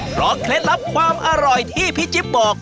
เพราะเคล็ดลับความอร่อยที่พี่จิ๊บบอก